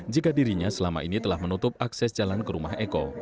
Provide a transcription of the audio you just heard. jika dirinya selama ini telah menutup akses jalan ke rumah eko